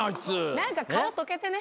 何か顔とけてね？